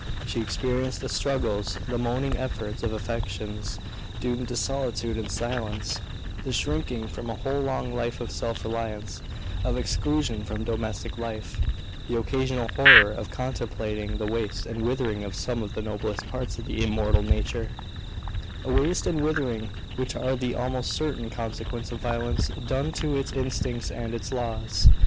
She experienced the struggles, the moaning efforts, of affections doomed to solitude and silence; the shrinking from a whole long life of self reliance, of exclusion from domestic life; the occasional horror of contemplating the waste and withering of some of the noblest parts of the immortal nature, a waste and withering which are the almost certain consequence of violence done to its instincts and its laws.